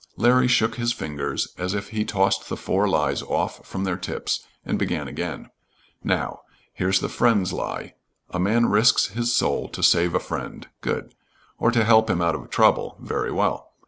Larry shook his fingers as if he tossed the four lies off from their tips, and began again. "Now. Here's the friend's lie a man risks his soul to save a friend good or to help him out of trouble very well.